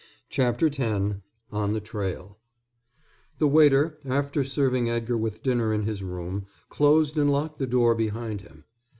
CHAPTER X ON THE TRAIL The waiter, after serving Edgar with dinner in his room, closed and locked the door behind him.